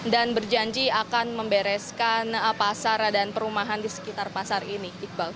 dan berjanji akan membereskan pasar dan perumahan di sekitar pasar ini